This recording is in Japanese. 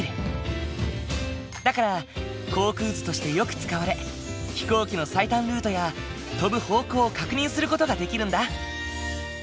だから航空図としてよく使われ飛行機の最短ルートや飛ぶ方向を確認する事ができるんだ。